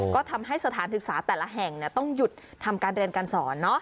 ก็ทำให้สถานศึกษาแต่ละแห่งต้องหยุดทำการเรียนการสอน